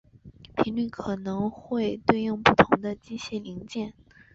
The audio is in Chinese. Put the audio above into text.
频率可能会对应不同的机械零件。